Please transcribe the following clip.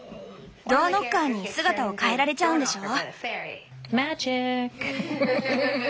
ドアノッカーに姿を変えられちゃうんでしょ？